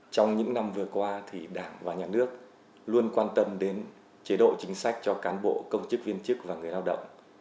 trong những năm vừa qua thì đảng và nhà nước luôn quan tâm đến chế độ chính sách cho cán bộ công chức viên chức và người lao động